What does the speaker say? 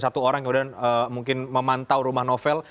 satu orang kemudian mungkin memantau rumah novel